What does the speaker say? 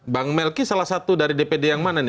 bang melki salah satu dari dpd yang mana nih